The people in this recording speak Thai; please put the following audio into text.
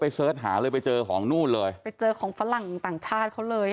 เสิร์ชหาเลยไปเจอของนู่นเลยไปเจอของฝรั่งต่างชาติเขาเลย